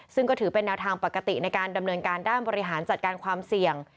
ซึ่งก็ถือเป็นแนวทางปกติในการดำเนินการด้านบริหารจัดการความเสี่ยง